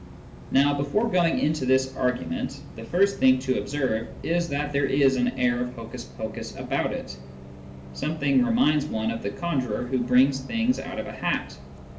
Now, before going into this argument, the first thing to observe is that there is an air of hocus pocus about it : something reminds one of the conjurer who brings things out of the hat.